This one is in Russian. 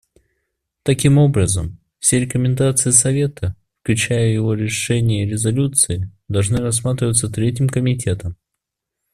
Таким образом, все рекомендации Совета, включая его решения и резолюции, должны рассматриваться Третьим комитетом.